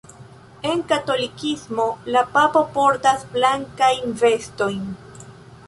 En katolikismo la Papo portas blankajn vestojn.